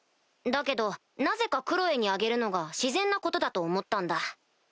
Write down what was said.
だけどなぜかクロエにあげるのが自然なことだと思ったんだ。